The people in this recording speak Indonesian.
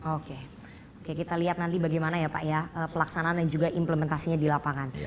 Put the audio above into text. oke oke kita lihat nanti bagaimana ya pak ya pelaksanaan dan juga implementasinya di lapangan